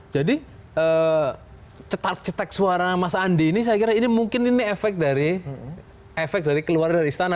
jadi cetak cetak suara mas andi ini saya kira ini mungkin efek dari keluar dari istana